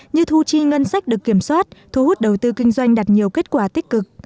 như thu chi ngân sách được kiểm soát thu hút đầu tư kinh doanh đạt nhiều kết quả tích cực